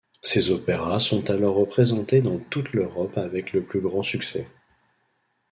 Ses opéras sont alors représentés dans toute l'Europe avec le plus grand succès.